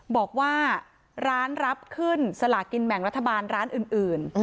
บอกว่าร้านรับขึ้นสลากินแบ่งรัฐบาลร้านอื่น